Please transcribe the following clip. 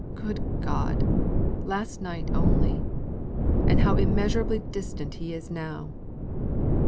Good God! Last night only. And how immeasurably distant he is now!